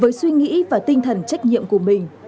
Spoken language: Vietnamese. với suy nghĩ và tinh thần trách nhiệm của mình